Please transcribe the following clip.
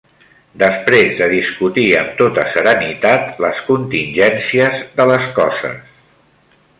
Després de discutir amb tota serenitat les contingències de les coses